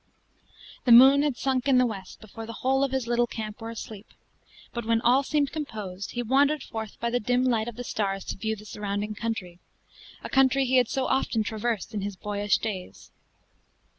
The moon had sunk in the west before the whole of his little camp were asleep; but when all seemed composed, he wandered forth by the dim light of the stars to view the surrounding country a country he had so often traversed in his boyish days.